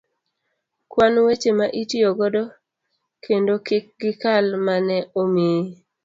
kwan weche ma itiyo godo kendo kik gikal mane omiyi.